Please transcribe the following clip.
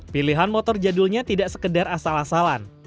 pilihan motor jadulnya tidak sekedar asal asalan